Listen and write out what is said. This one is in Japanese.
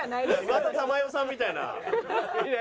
島田珠代さんみたいな。